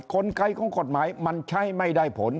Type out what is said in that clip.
กลไกของกฎหมายมันใช้ไม่ได้ผล